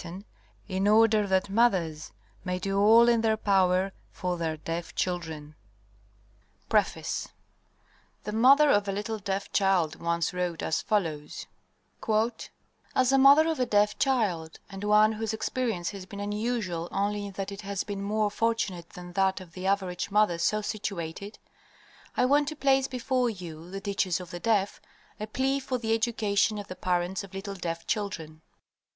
DURING THE SCHOOL PERIOD 98 XXVI. DURING VACATION 101 XXVII. SOME NOTS 107 PREFACE The mother of a little deaf child once wrote as follows: "As a mother of a deaf child, and one whose experience has been unusual only in that it has been more fortunate than that of the average mother so situated, I want to place before you (the teachers of the deaf) a plea for the education of the parents of little deaf children.